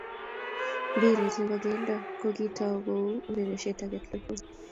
Mpiret ne bo kelto ko kitou kouu urerioshe alak tugul